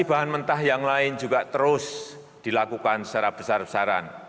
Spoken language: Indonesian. bahan mentah yang lain juga terus dilakukan secara besar besaran